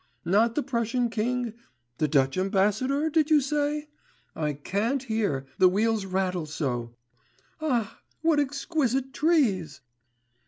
not the Prussian king, the Dutch ambassador, did you say? I can't hear, the wheels rattle so. Ah, what exquisite trees!